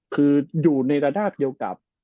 คืออยู่ในระดาษเดียวกับ